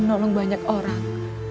menolong banyak orang